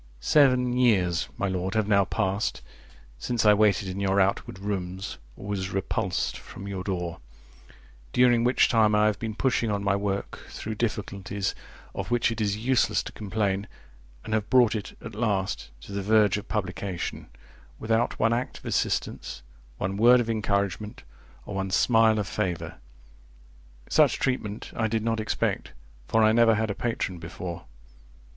Seven years, my lord, have now passed, since I waited in your outward rooms, or was repulsed from your door; during which time I have been pushing on my work through difficulties, of which it is useless to complain, and have brought it, at last, to the verge of publication, without one act of assistance, one word of encouragement, or one smile of favour. Such treatment I did not expect, for I never had a patron before.